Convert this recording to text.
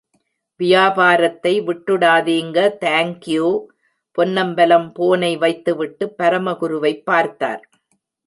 வியாபாரத்தை விட்டுடாதீங்க தாங்க்யூ... பொன்னம்பலம் போனை வைத்துவிட்டு பரமகுருவைப் பார்த்தார்.